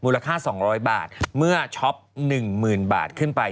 มูลค่า๒๐๐บาทเมื่อช็อป๑หมื่นบาทขึ้นไป